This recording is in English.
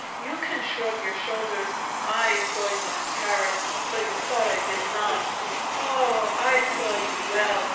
You can shrug your shoulders! I saw you in Paris, though you thought I did not! Oh, I saw you well!